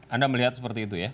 anda melihat seperti itu ya